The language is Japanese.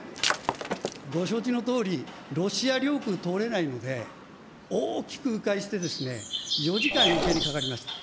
ご承知のとおり、ロシア領空を通れないので、大きくう回して、４時間よけいにかかりました。